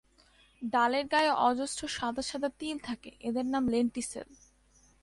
ডালের গায়ে অজস্র সাদা সাদা তিল থাকে, এদের নাম ল্যান্টিসেল।